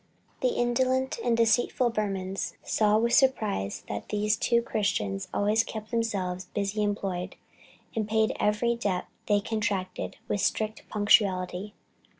The indolent and deceitful Burmans saw with surprise that these two Christians always kept themselves busily employed, and paid every debt they contracted with strict punctuality.